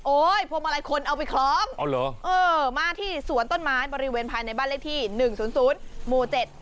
โอ้ยพวงมาลัยคนเอาไปครองเอาเหรอเออมาที่สวนต้นไม้บริเวณภายในบ้านเลขที่หนึ่งศูนย์ศูนย์หมู่เจ็ด